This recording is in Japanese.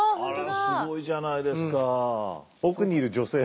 あらすごいじゃないですか。